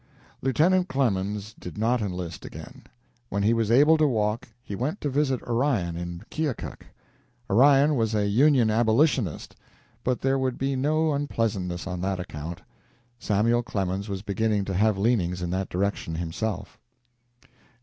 Lieutenant Clemens did not enlist again. When he was able to walk, he went to visit Orion in Keokuk. Orion was a Union Abolitionist, but there would be no unpleasantness on that account. Samuel Clemens was beginning to have leanings in that direction himself.